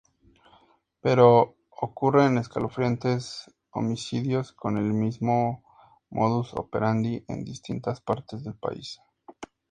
Pero ocurren escalofriantes homicidios con el mismo modus operandi en distintas partes del país.